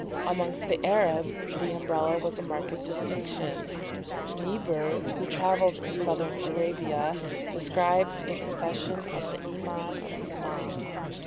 Amongst the Arabs the Umbrella was a mark of distinction. Niebuhr, who travelled in Southern Arabia, describes a procession of the Iman of Sanah.